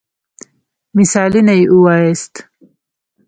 مثالونه يي ووایاست.